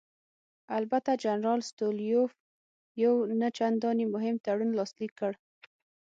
البته جنرال ستولیتوف یو نه چندانې مهم تړون لاسلیک کړ.